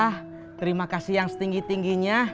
terima kasih yang setinggi tingginya